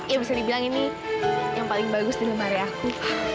ya bisa dibilang ini yang paling bagus di lemari aku